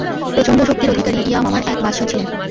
প্রচণ্ড শক্তির অধিকারী ইয়ামামার এক বাদশাহ ছিলেন।